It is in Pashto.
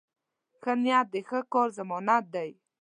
ښه نیت د ښه کار ضمانت دی.